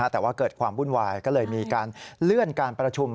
แต่ว่าเกิดความวุ่นวายก็เลยมีการเลื่อนการประชุม